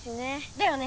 だよね！